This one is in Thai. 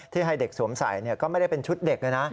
ให้เด็กสวมใส่ก็ไม่ได้เป็นชุดเด็กเลยนะ